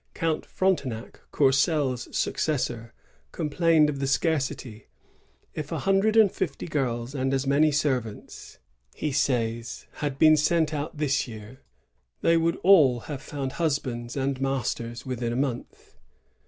Count Frontenac, Courcelle's succes sor, complained of the scarcity: "If a hundred and fifty girls and as many servants," he says, "had been sent out this year, they would all have found hus bands and masters within a month.